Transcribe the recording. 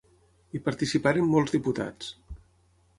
Hi participaren molts diputats.